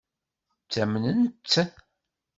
Ttamnen-tt?